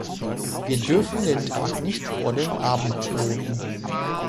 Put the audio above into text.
Wir dürfen den Tag nicht vor dem Abend loben.